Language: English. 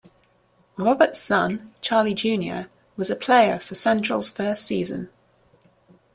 Roberts' son, Charlie Junior was a player for Central's first season.